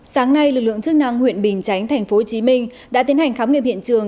sáng nay lực lượng chức năng huyện bình chánh tp hcm đã tiến hành khám nghiệm hiện trường